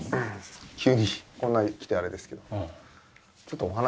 急にこんな来てあれですけど。